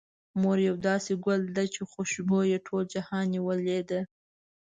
مور يو داسې ګل ده، چې خوشبو يې ټول جهان نيولې ده.